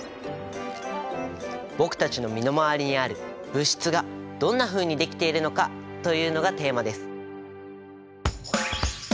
僕たちの身の回りにある物質がどんなふうにできているのかというのがテーマです。